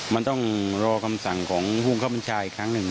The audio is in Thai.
มันต้องรอคำสั่งของภูมิคับบัญชาอีกครั้งหนึ่ง